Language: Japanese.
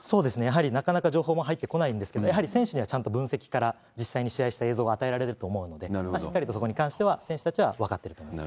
やはりなかなか情報が入ってこないということはあるんですが、やはり選手にはちゃんと分析から、実際に試合した映像を与えられると思ってので、しっかりとそこに関しては、選手たちは分かってると思います。